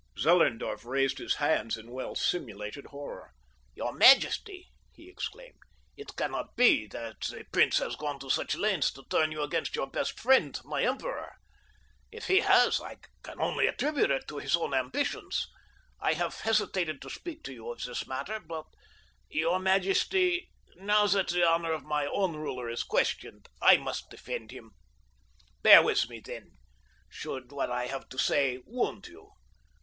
Zellerndorf raised his hands in well simulated horror. "Your majesty!" he exclaimed. "It cannot be that the prince has gone to such lengths to turn you against your best friend, my emperor. If he has I can only attribute it to his own ambitions. I have hesitated to speak to you of this matter, your majesty, but now that the honor of my own ruler is questioned I must defend him. "Bear with me then, should what I have to say wound you.